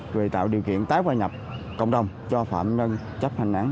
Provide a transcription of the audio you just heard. về tạo điều kiện tái qua nhập cộng đồng cho phạm nhân chấp hành án